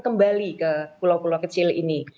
kembali ke pulau pulau kecil ini